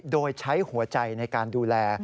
โดยใช้หัวใจในการดูแล